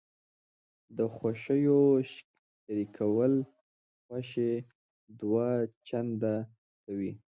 د خوښیو شریکول خوښي دوه چنده کوي.